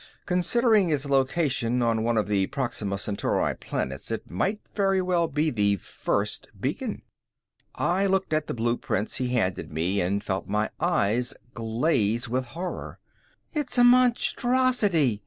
Considering its location on one of the Proxima Centauri planets, it might very well be the first beacon." I looked at the blueprints he handed me and felt my eyes glaze with horror. "It's a monstrosity!